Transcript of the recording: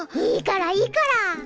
いいからいいから。